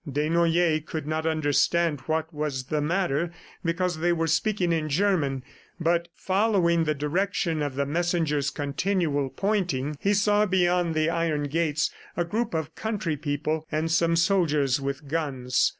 Desnoyers could not understand what was the matter because they were speaking in German, but following the direction of the messenger's continual pointing, he saw beyond the iron gates a group of country people and some soldiers with guns.